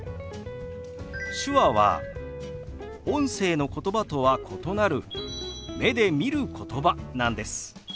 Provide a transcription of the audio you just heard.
手話は音声のことばとは異なる目で見ることばなんです。